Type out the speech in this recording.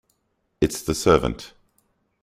It's the servant.